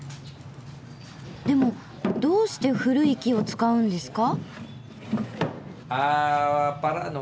でもどうして古い木を使うんですか？